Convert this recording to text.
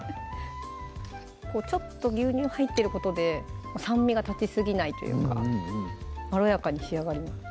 ちょっと牛乳入ってることで酸味がたちすぎないというかまろやかに仕上がります